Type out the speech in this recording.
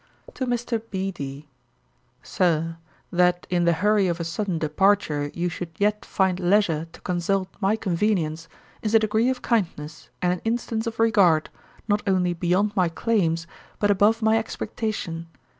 'To MR. B D. 'SIR, 'That in the hurry of a sudden departure you should yet find leisure to consult my convenience, is a degree of kindness, and an instance of regard, not only beyond my claims, but above my expectation.